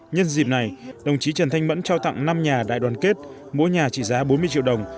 nhân dịp này đồng chí trần thanh mẫn trao tặng năm nhà đại đoàn kết mỗi nhà trị giá bốn mươi triệu đồng